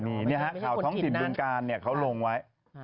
นี่เหรอท้องสินบุญกาลเนี่ยเขาลงไว้